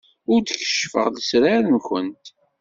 Ur d-keccfeɣ lesrar-nwent.